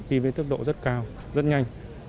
đi với tước độ rất cao rất nhanh